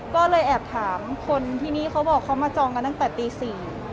ก็เลยแอบถามคนที่นี่เขาบอกเขามาจองกันตั้งแต่ตี๔